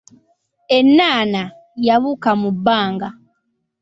Ennaana, yabuuka mu bbanga.